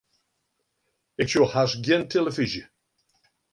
Ik sjoch hast gjin telefyzje.